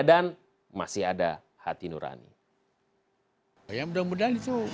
dan masih ada hati nurani